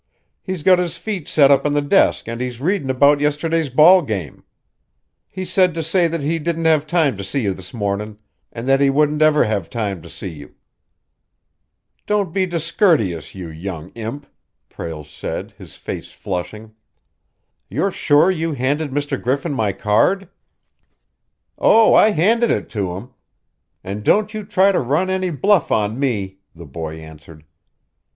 "He's got his feet set up on the desk and he's readin' about yesterday's ball game. He said to say that he didn't have time to see you this mornin', and that he wouldn't ever have time to see you." "Don't be discourteous, you young imp!" Prale said, his face flushing. "You're sure you handed Mr. Griffin my card?" "Oh, I handed it to him and don't you try to run any bluff on me!" the boy answered.